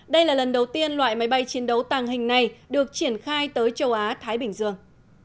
đây là lần đầu tiên loại máy bay chiến đấu tàng hình này được triển khai tới châu á thái bình dương